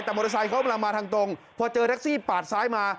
แต่มอเตอร์ไซค์เขากำลังมาทางตรงพอเจอแท็กซี่ปาดซ้ายมา